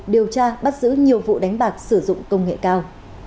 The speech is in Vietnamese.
điều tra bắt giữ nhiều vụ đánh bạc sử dụng công nghệ cao